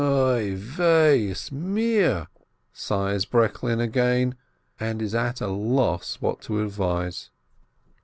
"Oi, weh is mir !" sighs Breklin again, and is at a loss what to advise.